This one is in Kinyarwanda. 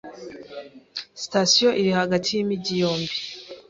Sitasiyo iri hagati yimijyi yombi.